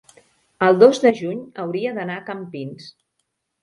el dos de juny hauria d'anar a Campins.